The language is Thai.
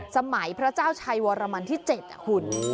สมัยพระเจ้าชัยวรมันที่๗หุ่น